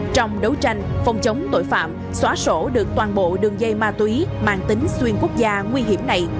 trong đấu tranh phòng chống tội phạm xóa sổ được toàn bộ đường dây ma túy mang tính xuyên quốc gia nguy hiểm này